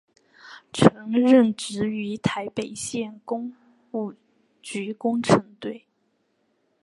曾任职于台北县工务局工程队。